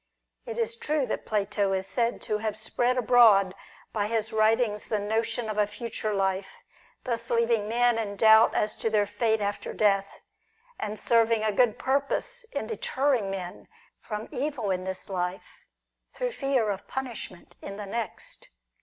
It is true Plato is said to have spread abroad by his writings the notion of a future life, thus leaving men in doubt as to their fate after death, and serving a good purpose in deterring men from evil in this life, through fear of punishment in the next.